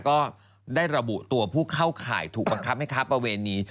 ก็ได้ระบุตัวผู้เข้าข่ายถูกบังคับให้ค้าประเวณี